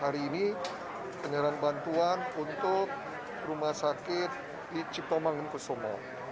hari ini penyerahan bantuan untuk rumah sakit di cipto mangunkusumo